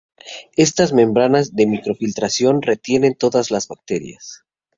Estas membranas de micro-filtración retienen todas las bacterias.